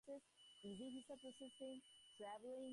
CC বললে, অমি, প্রতিবিম্ব নিয়েই তোমার জীবন কাটবে।